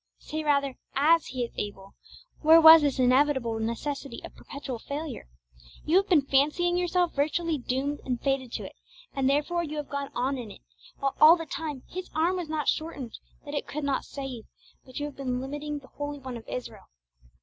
say, rather, as He is able, where was this inevitable necessity of perpetual failure? You have been fancying yourself virtually doomed and fated to it, and therefore you have gone on in it, while all the time His arm was not shortened that it could not save, but you have been limiting the Holy One of Israel.